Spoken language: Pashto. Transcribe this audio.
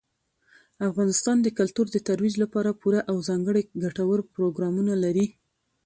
افغانستان د کلتور د ترویج لپاره پوره او ځانګړي ګټور پروګرامونه لري.